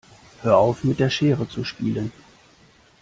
Hör auf mit der Schere zu spielen.